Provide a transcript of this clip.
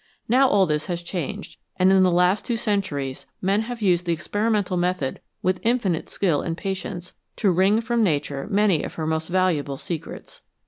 Now all this has changed, and in the last two centuries men have used the experimental method with infinite skill and patience to wring from Nature many of her most valuable secrets.